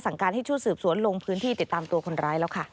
การให้ชุดสืบสวนลงพื้นที่ติดตามตัวคนร้ายแล้วค่ะ